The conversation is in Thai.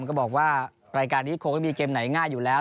ก็บอกว่ารายการนี้คงไม่มีเกมไหนง่ายอยู่แล้ว